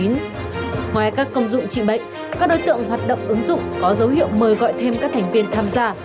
ngoài các công dụng trị bệnh các đối tượng hoạt động ứng dụng có dấu hiệu mời gọi thêm các thành viên tham gia